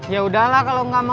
yaudah lah kalau gak mau mah